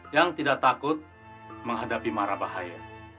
yang tidak takut menghadapi marah bahaya